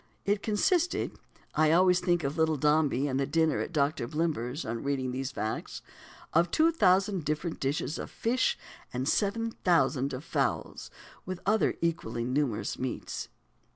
"It consisted" I always think of Little Dombey and the dinner at Doctor Blimber's, on reading these facts "of two thousand different dishes of fish, and seven thousand of fowls, with other equally numerous meats."